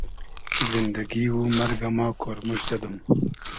زیندئگی و مئرگۂ ما کۉرموشت زئدوم